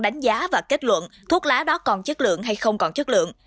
đánh giá và kết luận thuốc lá đó còn chất lượng hay không còn chất lượng